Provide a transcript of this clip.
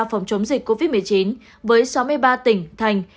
phòng chống dịch covid một mươi chín với sáu mươi ba tỉnh thành